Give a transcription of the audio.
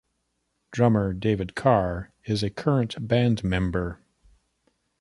Drummer David Carr is a current band member.